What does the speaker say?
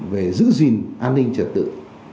về giữ gìn an ninh trật tự